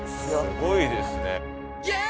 すごいですね。